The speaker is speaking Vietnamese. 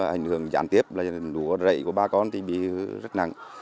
hình hưởng trạng tiếp là lũ rậy của bà con thì bị rất nặng